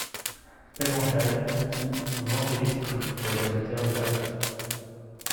Pet mental, ou « Vent de l’esprit » pour les amateurs d'haiku.